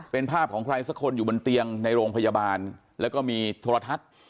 เป็นภาพของใครสักคนอยู่บนเตียงในโรงพยาบาลแล้วก็มีโทรทัศน์